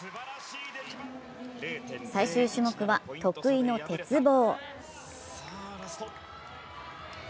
最終種目は得意の鉄棒。